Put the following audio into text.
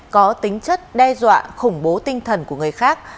có tính chất đe dọa khủng bố tinh thần của người khác